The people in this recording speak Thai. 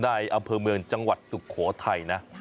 อำเภอเมืองจังหวัดสุโขทัยนะ